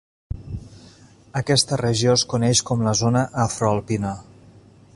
Aquesta regió es coneix com la zona afroalpina.